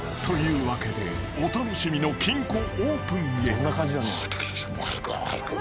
［というわけでお楽しみの金庫オープンへ］